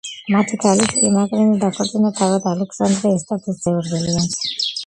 მათი ქალიშვილი მაკრინე დაქორწინდა თავად ალექსანდრე ესტატეს ძე ორბელიანზე.